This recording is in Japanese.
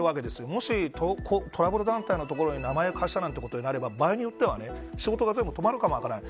もしトラブル団体のところに名前を貸したなんてことになれば場合によっては、仕事が全部止まるかも分からない。